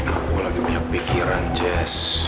aku lagi punya pikiran jazz